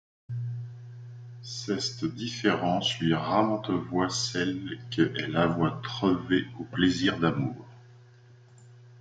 Ceste différence lui ramentevoyt celle que elle avoyt treuvée au plaisir d’amour.